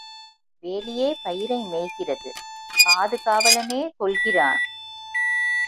வேலியே பயிரை மேய்கிறது பாது காவலனே கொல்கிறான்!